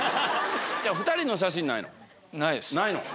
２人の写真ないの？